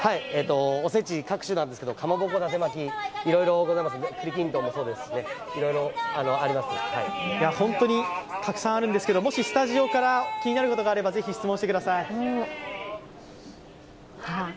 おせち各種なんですけどかまぼこ、だて巻きいろいろございますので、栗きんとんもそうですし、本当にたくさんあるんですけどスタジオから気になることがあれば質問してください。